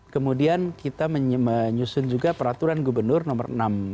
kemudian kita menyusun juga peraturan gubernur nomor enam